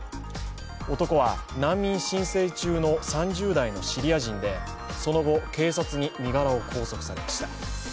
男は難民申請中の３０代のシリア人でその後、警察に身柄を拘束されました。